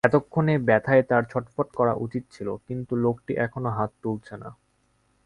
এতক্ষণে ব্যথায় তাঁর ছটফট করা উচিত ছিল, কিন্তু লোকটি এখনো হাত তুলছে না।